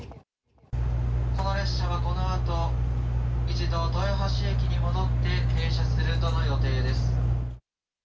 この列車はこのあと、一度、豊橋駅に戻って停車するとの予定です。